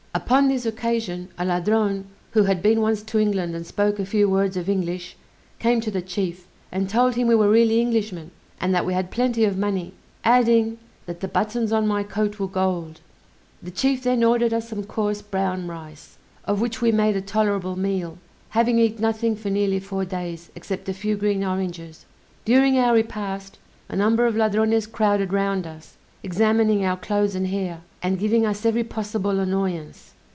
Upon this occasion, a Ladrone, who had been once to England and spoke a few words of English, came to the chief, and told him we were really Englishmen, and that we had plenty of money, adding, that the buttons on my coat were gold. The chief then ordered us some coarse brown rice, of which we made a tolerable meal, having eat nothing for nearly four days, except a few green oranges. During our repast, a number of Ladrones crowded round us, examining our clothes and hair, and giving us every possible annoyance.